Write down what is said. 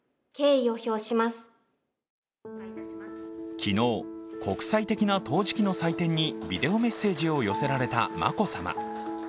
昨日、国際的な陶磁器の祭典にビデオメッセージを寄せられた眞子さま。